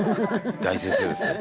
「大先生ですね」